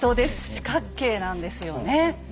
四角形なんですよね。